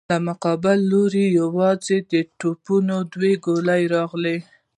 له مقابل لورې يواځې د توپونو دوې ګولۍ راغلې.